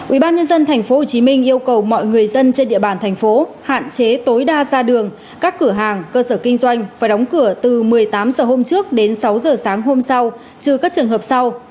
ubnd tp hcm yêu cầu mọi người dân trên địa bàn thành phố hạn chế tối đa ra đường các cửa hàng cơ sở kinh doanh phải đóng cửa từ một mươi tám h hôm trước đến sáu h sáng hôm sau trừ các trường hợp sau